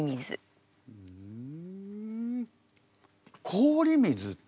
氷水って？